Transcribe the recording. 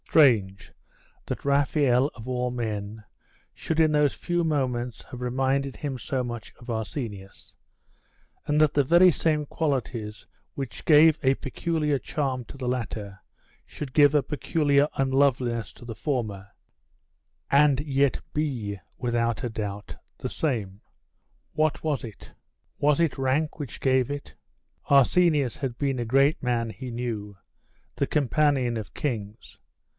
Strange that Raphael, of all men, should in those few moments have reminded him so much of Arsenius; and that the very same qualities which gave a peculiar charm to the latter should give a peculiar unloveliness to the former, and yet be, without a doubt, the same. What was it? Was it rank which gave it Arsenius had been a great man, he knew the companion of kings.